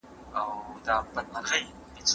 لکه په هېره زمانه کې د ژوندون د اوبو ورکه چینه